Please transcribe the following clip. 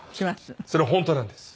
それ本当なんです。